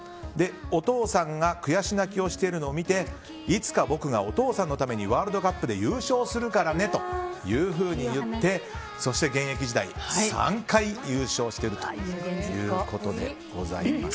お父さんが悔し泣きをしているのを見ていつか僕がお父さんのためにワールドカップで優勝するからねというふうに言ってそして現役時代、３回優勝してるということでございます。